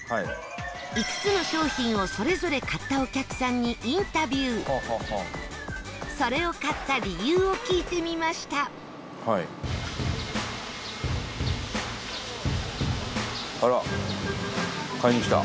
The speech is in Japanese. ５つの商品を、それぞれ買ったお客さんにインタビューそれを買った理由を聞いてみました伊達：あら！買いに来た。